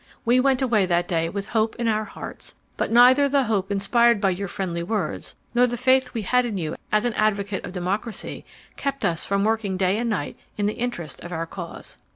We went away that day with hope in our hearts, but neither the hope inspired by your friendly words nor the faith we had in you as an advocate of democracy kept us from working day and night in the interest of our cause.